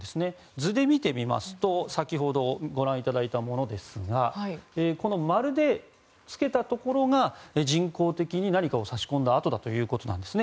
図で見てみますと先ほどご覧いただいたものですが丸で付けたところが人工的に何かを何かを差し込んだ痕だということなんですね。